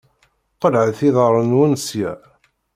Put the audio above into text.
Qelɛet iḍaṛṛen-nwen sya!